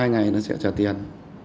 hai ngày sẽ trả tiền